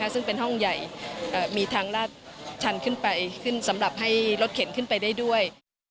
ซึ่งเป็นห้องใหญ่มีทางลาดชันขึ้นไปขึ้นสำหรับให้รถเข็นขึ้นไปได้ด้วย